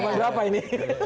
nama nama berapa ini